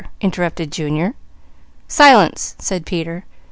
interrupted Junior. "Silence!" said Peter.